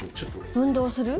運動する？